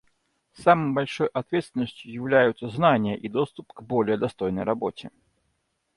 Самой большой ответственностью являются знания и доступ к более достойной работе.